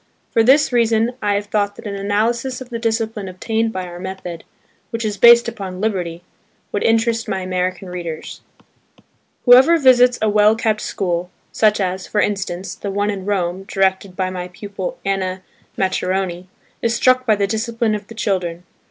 For this reason I have thought that an analysis of the discipline obtained by our method–which is based upon liberty,–would interest my American readers. Whoever visits a well kept school (such as, for instance, the one in Rome directed by my pupil Anna Maccheroni) is struck by the discipline of the children.